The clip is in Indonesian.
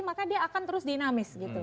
maka dia akan terus dinamis gitu